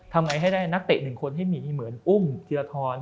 ทำไมให้ได้นักเตะหนึ่งคนที่หมีเหมือนอุ้มธีรทร